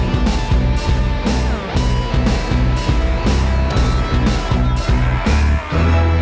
aduh nonton dimana ya